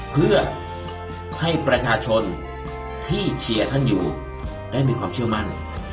เพื่อให้ประชาชนที่เชียร์ท่านอยู่ได้มีความเชื่อมั่น